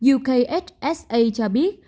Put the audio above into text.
ukhsa cho biết